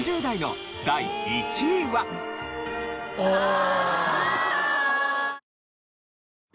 ああ。